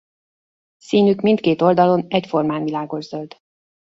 Színük mindkét oldalon egyformán világoszöld.